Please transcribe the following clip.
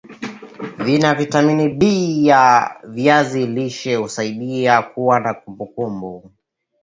Vina vitamini B ya viazi lishe husaidia kuwa na kumbukumbu